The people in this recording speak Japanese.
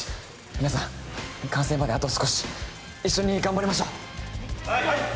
皆さん完成まであと少し一緒に頑張りましょうはい！